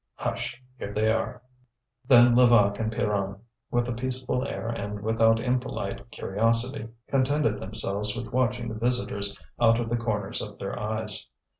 "Hush! here they are!" Then Levaque and Pierronne, with a peaceful air and without impolite curiosity, contented themselves with watching the visitors out of the corners of their eyes.